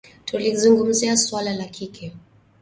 Tulizungumzia suala la kile